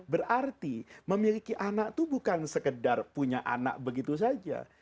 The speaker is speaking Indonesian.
berarti memiliki anak itu bukan sekedar punya anak begitu saja